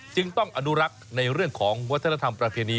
จึงต้องอนุรักษ์ในเรื่องของวัฒนธรรมประเพณี